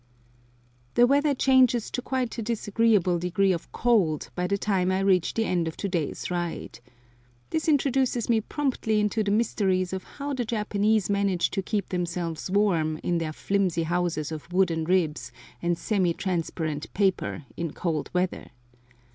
The weather changes to quite a disagreeable degree of cold by the time I reach the end of to day's ride. This introduces me promptly into the mysteries of how the Japanese manage to keep themselves warm in their flimsy houses of wooden ribs and semi transparent paper in cold weather.